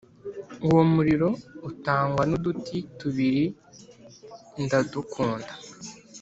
uwo umuriro utangwa n’uduti tubiri ndadukunda